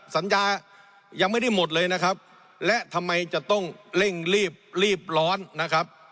สัญญายังไม่ได้หมดเลยนะครับและทำไมจะต้องเร่งรีบรีบร้อนนะครับ